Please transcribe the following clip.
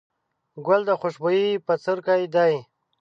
ګل د خوشبويي بڅرکی دی.